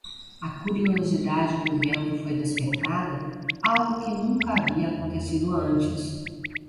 A curiosidade do vento foi despertada? algo que nunca havia acontecido antes.